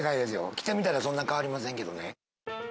来てみたらそんな変わりませんけ